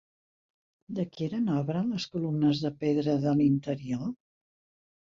De qui eren obra les columnes de pedra de l'interior?